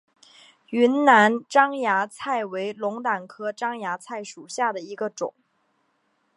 云南獐牙菜为龙胆科獐牙菜属下的一个种。